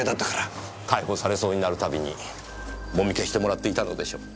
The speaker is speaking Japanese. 逮捕されそうになる度にもみ消してもらっていたのでしょう。